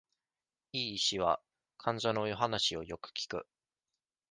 良い医師は、患者の話を良く聞く。